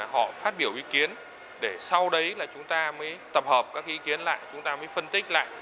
họ phát biểu ý kiến để sau đấy là chúng ta mới tập hợp các ý kiến lại chúng ta mới phân tích lại